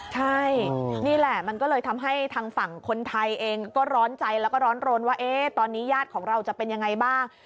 ใช่นี่แหละมันก็เลยทำให้ทางฝั่งคนไทยเองก็ร้อนใจแล้วก็ร้อนรนว่าตอนนี้ญาติของเราจะเป็นยังไงบ้าง